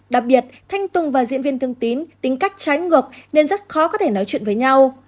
đặc biệt thanh tùng và diễn viên thương tín tính cách trái ngược nên rất khó có thể nói chuyện với nhau